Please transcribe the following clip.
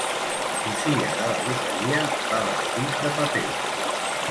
Qui fia de la loteria va vestit de paper.